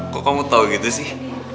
kok kamu tau gitu sih